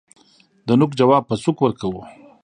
دنوک جواب په سوک ورکوو